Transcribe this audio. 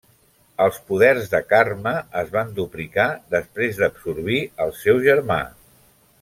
Els poders de Karma es van duplicar després d'absorbir al seu germà.